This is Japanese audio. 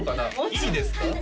いいですか？